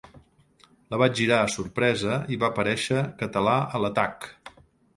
La vaig girar, sorpresa, i va aparèixer «Català a l'atac».